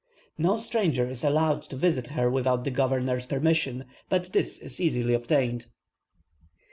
No stranger is allowed to visit her without the governor's permission, but this is easily obtained.